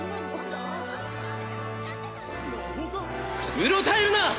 うろたえるな！